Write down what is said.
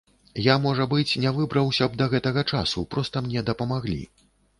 Я, можа быць, не выбраўся б да гэтага часу, проста мне дапамаглі.